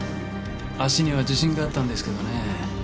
足には自信があったんですけどねえ。